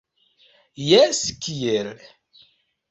Jes kiel?